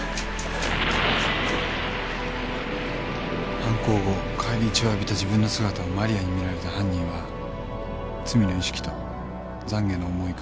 犯行後返り血を浴びた自分の姿をマリアに見られた犯人は罪の意識とざんげの思いからここに寄付をした。